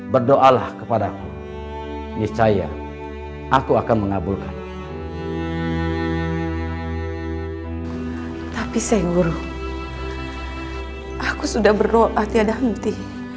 berdoa lah kepadaku niscaya aku akan mengabulkan tapi sayang guru aku sudah berdoa tiada henti